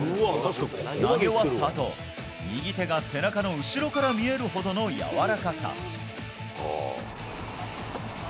投げ終わったあと、右手が背中の後ろから見えるほどの柔らかさ。